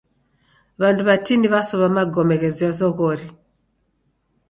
W'andu w'atini w'asowa magome ghezoya zoghori.